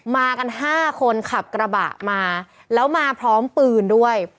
มากัน๕คนขับกระบะมาแล้วมาพร้อมปืนด้วย